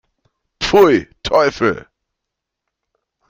Pfui, Teufel!